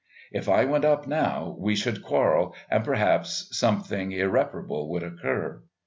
If I went up now we should quarrel, and perhaps something irreparable would occur.